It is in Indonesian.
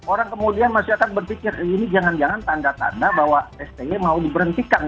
orang kemudian masih akan berpikir ini jangan jangan tanda tanda bahwa sti mau diberhentikan